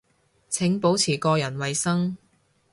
請保持個人衛生